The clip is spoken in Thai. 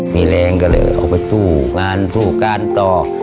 มีแรงก็เลยเอาไปสู้งานสู้การต่อ